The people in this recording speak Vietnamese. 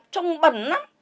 trông bẩn lắm